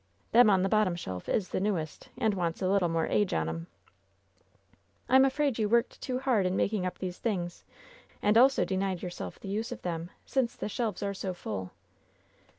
Them on the bottom shelf is the newest, and wants a little more age on 'em." "I'm afraid you worked too hard in making up these things, and also denied yourself the use of them, since the shelves are so full."